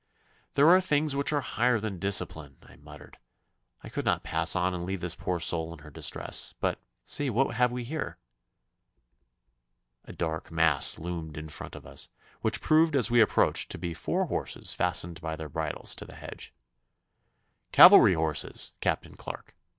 'There are things which are higher than discipline,' I muttered. 'I could not pass on and leave this poor soul in her distress. But see what have we here?' A dark mass loomed in front of us, which proved as we approached to be four horses fastened by their bridles to the hedge. 'Cavalry horses, Captain Clarke!